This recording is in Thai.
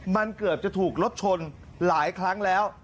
มันเกือบจะถูกรถชนหลายครั้งแล้ว